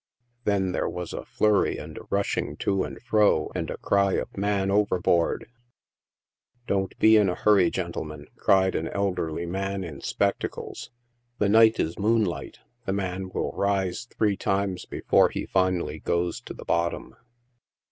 Then there was a flurry and a rushing to and fro, and a cry of " man overboard 1" " Don't be in a hurry, gentlemen !" cried an elderly man in spec tacles ;" the night is moonlight ; the man will rise three times be fore he finally goes to the bottom!"